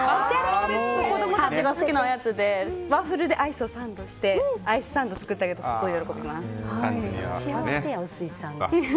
子供たちが好きなおやつでワッフルでアイスをサンドしてアイスサンド作ったりするとすごい喜びます。